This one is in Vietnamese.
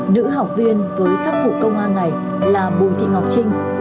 nữ học viên với sắc phụ công an này là bồ chí minh